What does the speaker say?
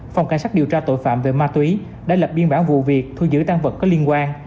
phòng cảnh sát điều tra tội phạm về ma túy đã lập biên bản vụ việc thu giữ tăng vật có liên quan